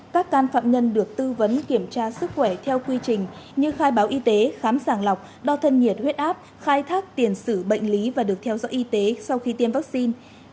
các can phạm nhân được tư vấn kiểm tra sức khỏe theo quy trình như khai báo y tế khám sàng lọc đo thân nhiệt huyết áp khai thác tiền xử bệnh lý và được theo dõi y tế sau khi tiêm vaccine